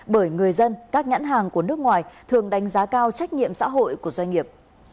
bởi người dân các nhãn hàng của nước ngoài thường đánh giá cao trách nhiệm xã hội của doanh nghiệp